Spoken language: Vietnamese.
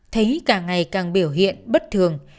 thấy càng ngày càng biểu hiện bất thường